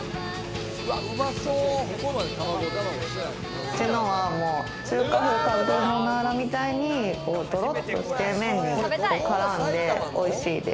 うちのは中華風カルボナーラみたいに、とろっとして、麺に絡んでおいしいです。